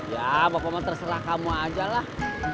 ya bapak bapak terserah kamu aja lah